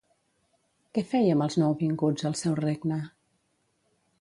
Què feia amb els nouvinguts al seu regne?